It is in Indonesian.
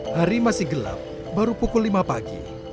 hari masih gelap baru pukul lima pagi